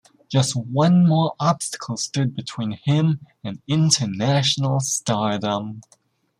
Just one more obstacle stood between him and international stardom.